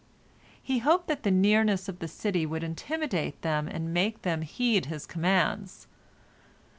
He hoped that the nearness of the city would intimidate them and make them heed his commands.